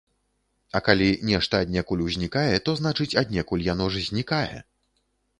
А калі нешта аднекуль узнікае, то значыць, аднекуль яно ж знікае.